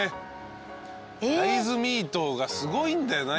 大豆ミートがすごいんだよな今。